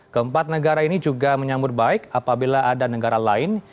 keempat negara ini juga menyambut baik apabila ada negara lain